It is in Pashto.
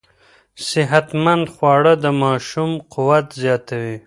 صحتمند خواړه د ماشوم قوت زیاتوي.